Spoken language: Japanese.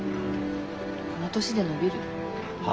この年で伸びる？はあ？